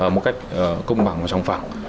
một cách công bằng và sống phẳng